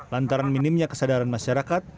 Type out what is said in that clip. lantaran minimnya kesadaran masyarakat